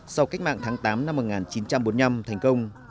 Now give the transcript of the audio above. sau cách mạng tháng tám năm một nghìn chín trăm bốn mươi năm thành công